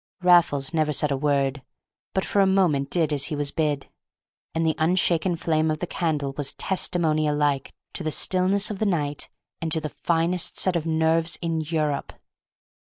Raffles said never a word, but for a moment did as he was bid; and the unshaken flame of the candle was testimony alike to the stillness of the night and to the finest set of nerves in Europe.